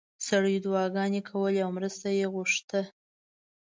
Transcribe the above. سړیو دعاګانې کولې او مرسته یې غوښته.